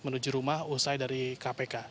menuju rumah usai dari kpk